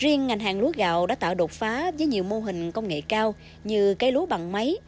riêng ngành hàng lúa gạo đã tạo đột phá với nhiều mô hình công nghệ cao như cây lúa bằng máy